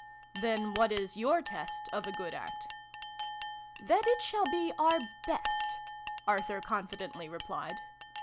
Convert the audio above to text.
" Then what is your test of a good act ?"" That it shall be our best'' Arthur con fidently replied.